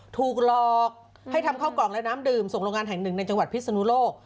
ถูกหลอกให้ทำข้าวกล่องและน้ำดื่มส่งโรงงานแห่งหนึ่งในจังหวัดพิศนุโลก